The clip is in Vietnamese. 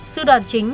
sư đoàn chín